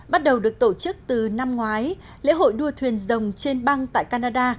bắt đầu được tổ chức từ năm ngoái lễ hội đua thuyền rồng trên băng tại canada